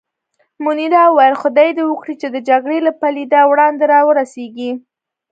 منیرا وویل: خدای دې وکړي چې د جګړې له پېلېدا وړاندې را ورسېږي.